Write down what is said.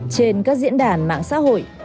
trên các diễn đàn mạng xã hội